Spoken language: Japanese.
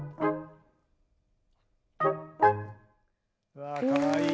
うわかわいい。